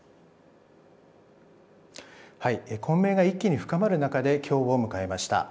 混迷が一気に深まる中できょうを迎えました。